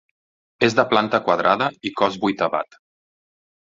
És de planta quadrada i cos vuitavat.